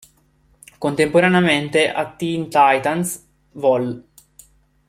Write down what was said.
Contemporaneamente a "Teen Titans" vol.